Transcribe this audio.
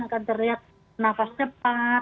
akan terlihat nafas cepat